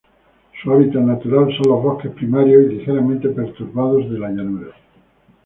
Su hábitat natural son los bosques primarios y ligeramente perturbados de llanura.